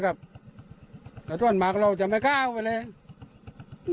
มันต้องอาจจะมีเล็กไม่น้อยนี่